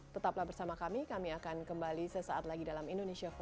tetaplah bersama kami kami akan kembali sesaat lagi dalam indonesia forward